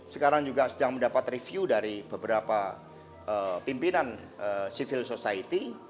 sekarang juga sedang mendapat review dari beberapa pimpinan civil society